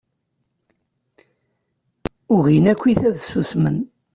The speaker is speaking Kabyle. Ugin akkit ad ssusmen.